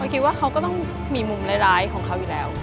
ผมคิดว่าเขาก็ต้องมีมุมร้ายร้ายของเขาอีกแล้ว